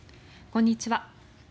こんにちは。